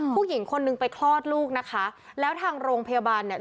ผู้หญิงคนนึงไปคลอดลูกนะคะแล้วทางโรงพยาบาลเนี่ย